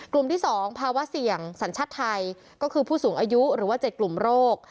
กลุ่มที่๒ภาวะเสี่ยงสัญชาติไทยก็คือผู้สูงอายุหรือว่า๗กลุ่มโรค